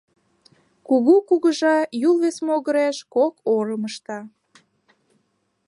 Кугу кугыжа Юл вес могыреш кок орым ышта.